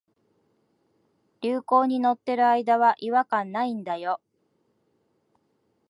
流行に乗ってる間は違和感ないんだよ